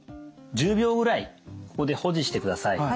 １０秒ぐらいここで保持してください。